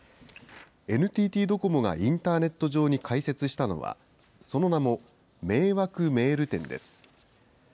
ＮＴＴドコモがインターネット上に開設したのは、その名も迷惑メール展です。